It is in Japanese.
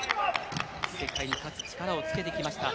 世界に勝つ力をつけてきました。